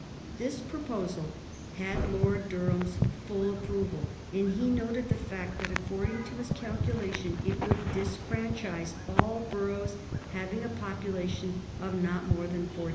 This proposal had Lord Durham's full approval, and he noted the fact that according to his calculation it would disfranchise all boroughs having a population of not more than 1400.